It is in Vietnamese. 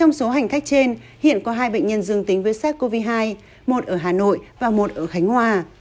trong số hành khách trên hiện có hai bệnh nhân dương tính với sars cov hai một ở hà nội và một ở khánh hòa